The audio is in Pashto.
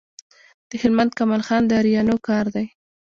د هلمند کمال خان د آرینو کار دی